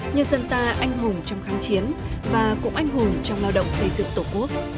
nhân dân ta anh hùng trong kháng chiến và cũng anh hùng trong lao động xây dựng tổ quốc